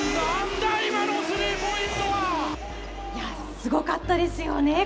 すごかったですよね？